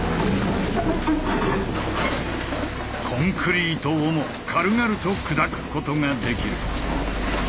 コンクリートをも軽々と砕くことができる。